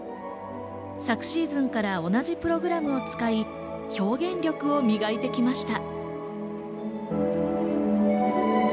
昨シーズンから同じプログラムを使い、表現力を磨いてきました。